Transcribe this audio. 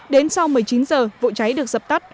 đến sau một mươi chín h vội cháy được dập tắt